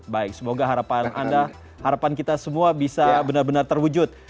baik semoga harapan anda harapan kita semua bisa benar benar terwujud